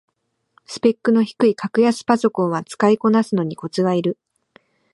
スペックの低い格安パソコンは使いこなすのにコツがいる